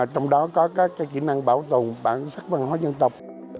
trong đó có các kỹ năng bảo tồn bản sắc văn hóa dân tộc